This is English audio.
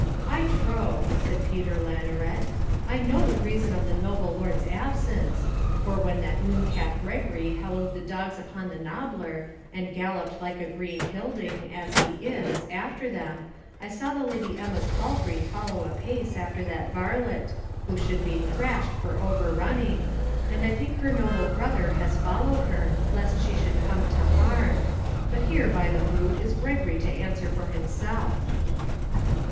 'I trow,' said Peter Lanaret, 'I know the reason of the noble lord's absence; for, when that mooncalf Gregory hallooed the dogs upon the knobbler, and galloped like a green hilding, as he is, after them, I saw the Lady Emma's palfrey follow apace after that varlet, who should be thrashed for overrunning, and I think her noble brother has followed her, lest she should come to harm. But here, by the rood, is Gregory to answer for himself.'